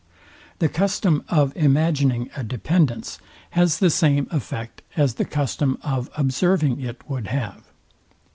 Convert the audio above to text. The custom of imagining a dependence has the same effect as the custom of observing it would have.